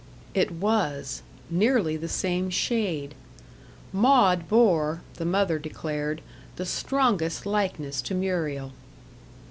It was; nearly the same shade. Maud bore, the mother declared, the strongest likeness to Muriel.